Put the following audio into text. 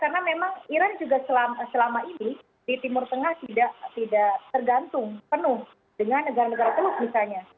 karena memang iran juga selama ini di timur tengah tidak tergantung penuh dengan negara negara teluk misalnya